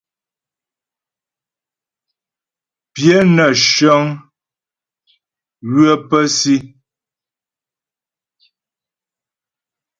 Pyə nə́ shəŋ ywə pə́ si.